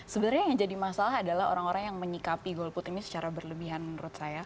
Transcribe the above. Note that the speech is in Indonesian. sebenarnya yang jadi masalah adalah orang orang yang menyikapi golput ini secara berlebihan menurut saya